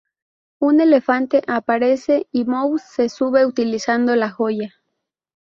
Un elefante aparece y Mouse se sube utilizando la joya.